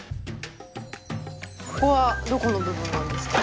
ここはどこの部分なんですか？